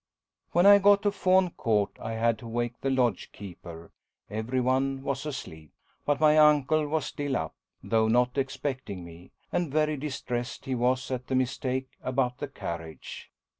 When I got to Fawne Court I had to wake the lodge keeper every one was asleep. But my uncle was still up, though not expecting me, and very distressed he was at the mistake about the carriage.